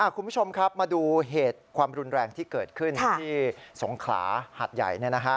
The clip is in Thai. คุณผู้ชมครับมาดูเหตุความรุนแรงที่เกิดขึ้นที่สงขลาหัดใหญ่